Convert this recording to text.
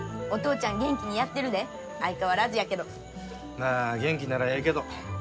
まあ元気ならええけど。